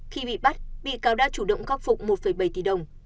khi bị bắt bị cáo đã chủ động khắc phục một bảy tỷ đồng